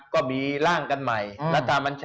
ก็มีร่างกันใหม่